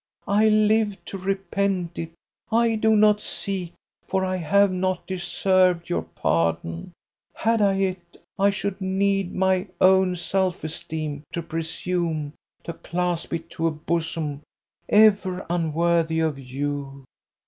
I live to repent it. I do not seek, for I have not deserved, your pardon. Had I it, I should need my own self esteem to presume to clasp it to a bosom ever unworthy of you."